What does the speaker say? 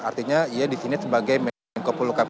artinya ia di sini sebagai menkopo luka